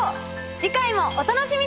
次回もお楽しみに！